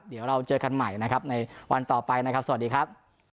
เดี๋ยวเราเจอกันใหม่นะครับในวันต่อไปนะครับสวัสดีครับ